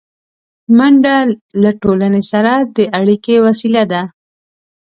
منډه له ټولنې سره د اړیکې وسیله ده